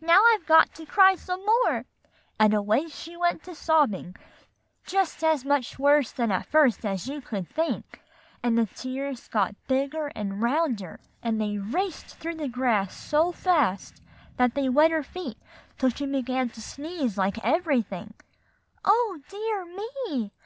Now I've got to cry some more;' and away she went to sobbing, just as much worse than at first as you could think; and the tears got bigger and rounder, and they raced through the grass so fast that they wet her feet till she began to sneeze like everything." "Oh, dear me!"